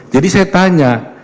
jadi saya tanya